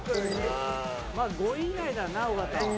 まあ５位以内だな尾形は。